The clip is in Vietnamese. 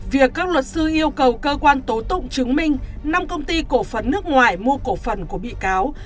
việc các luật sư yêu cầu cơ quan tố tụng chứng minh năm công ty cổ phần nước ngoài mua cổ phần của bị cáo